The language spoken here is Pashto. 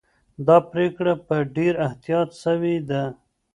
دا پرېکړه په ډېر احتیاط سوې ده.